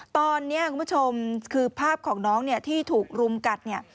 ตอนนี้คุณผู้ชมคือภาพของน้องที่ถูกรุมกัด